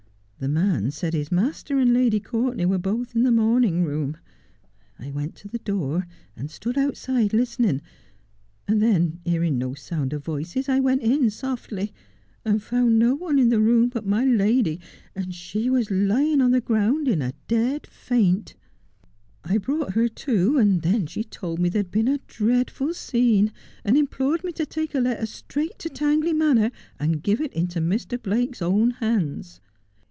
The man said his master and f<<>'l h y Couvtenay were both in the pwrniug rooi'.i, I vv?nt tv ' That would be an Unholy Alliance? 277 the door, and stood outside listening, and then, hearing no sound of voices, I went in softly, and found no one in the room but my lady, and she was lying on the ground in a dead faint. I brought her to, and then she told me there had been a dreadful scene, and implored me to take a letter straight to Tangley Manor, and give it into Mr. Blake's own hands.